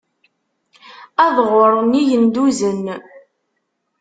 Ad ɣuren yigenduzen.